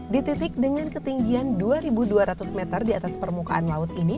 di titik dengan ketinggian dua dua ratus meter di atas permukaan laut ini